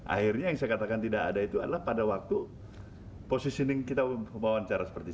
akhirnya yang saya katakan tidak ada itu adalah pada waktu positioning kita wawancara seperti itu